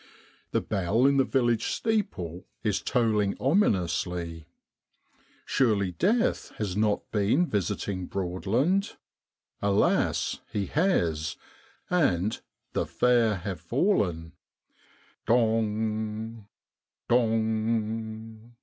The bell in the village steeple is tolling ominously. Surely Death has not been visiting Broadland ? Alas ! he has, and ' the fair have fallen.' Dong dong!